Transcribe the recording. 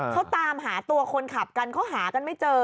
เขาตามหาตัวคนขับกันเขาหากันไม่เจอ